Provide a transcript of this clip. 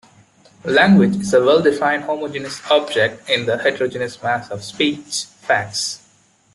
Language is a well-defined homogenous object in the heterogeneous mass of speech facts.